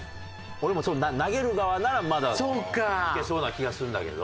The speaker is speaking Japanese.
俺も投げる側ならまだいけそうな気がするんだけど。